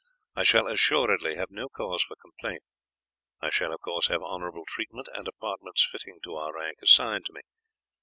I shall assuredly have no cause for complaint. I shall, of course, have honourable treatment, and apartments fitting to our rank assigned to me.